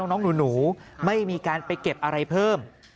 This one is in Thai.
น้องหนูไม่มีการไปเก็บอะไรเพิ่ม